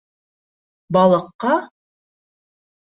- Балыҡҡа?